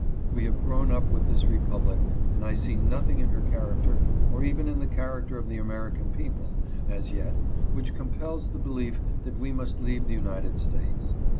We have grown up with this republic, and I see nothing in her character, or even in the character of the Ameri can people, as yet, which compels the belief that we must leave the United States.